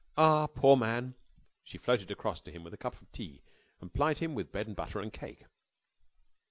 Ah, poor man!" She floated across to him with a cup of tea and plied him with bread and butter and cake.